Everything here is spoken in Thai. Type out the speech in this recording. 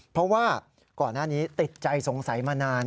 เพราะว่าก่อนหน้านี้ติดใจสงสัยมานาน